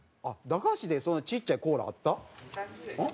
あっ駄菓子でそんなちっちゃいコーラあった？